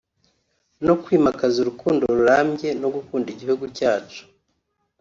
no kwimakaza urukundo rurambye no gukunda igihugu cyacu